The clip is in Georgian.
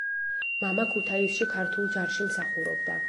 მამა ქუთაისში ქართულ ჯარში მსახურობდა.